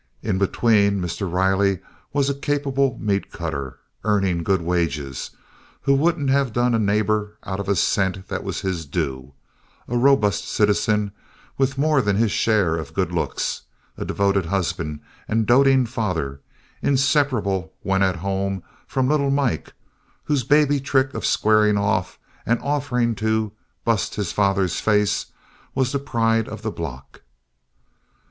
In between, Mr. Riley was a capable meat cutter earning good wages, who wouldn't have done a neighbor out of a cent that was his due, a robust citizen with more than his share of good looks, a devoted husband and a doting father, inseparable when at home from little Mike, whose baby trick of squaring off and offering to "bust his father's face" was the pride of the block.